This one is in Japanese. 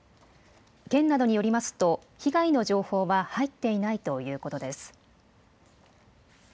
県などによりますと、被害の情報は入っていないということです。